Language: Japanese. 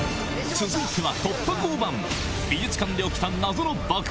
続いては。